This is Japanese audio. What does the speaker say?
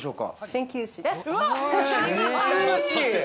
鍼灸師です。